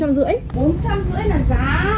bốn trăm rưỡi là giá